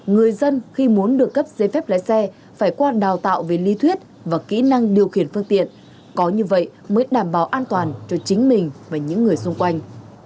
người dân khi muốn được cấp giấy phép lái xe phải qua đào tạo về lý thuyết và kỹ năng điều khiển phương tiện có như vậy mới đảm bảo an toàn cho chính mình và những người xung quanh